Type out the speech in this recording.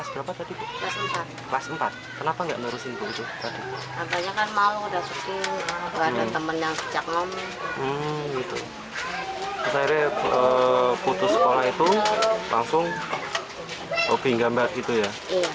biasa terus alatnya